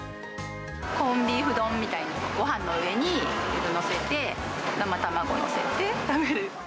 コンビーフ丼みたいに、ごはんの上に載せて、生卵載せて食べる。